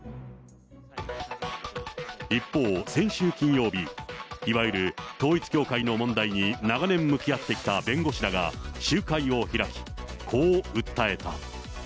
一方、先週金曜日、いわゆる統一教会の問題に長年向き合ってきた弁護士らが集会を開き、こう訴えた。